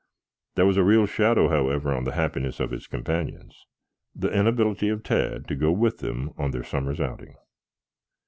There was a real shadow, however, on the happiness of his companions the inability of Tad to go with them on their summer's outing.